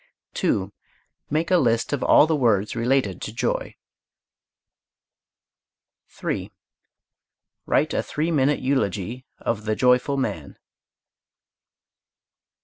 2. Make a list of all the words related to joy. 3. Write a three minute eulogy of "The Joyful Man."